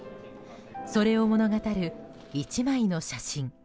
それを物語る、１枚の写真。